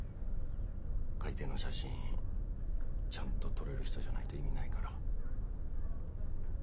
海底の写真ちゃんと撮れる人じゃないと意味ないから。